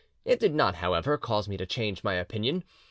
It did not, however, cause me to change my opinion.